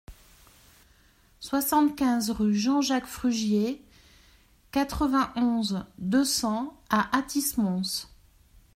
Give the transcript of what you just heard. soixante-quinze rue Jean-Jacques Frugier, quatre-vingt-onze, deux cents à Athis-Mons